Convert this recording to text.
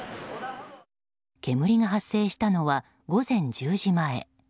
煙が発生したのは午前１０時前。